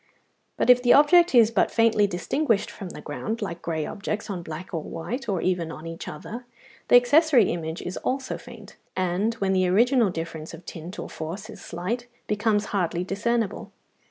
But if the object is but faintly distinguished from the ground, like grey objects on black or white, or even on each other, the accessory image is also faint, and, when the original difference of tint or force is slight, becomes hardly discernible.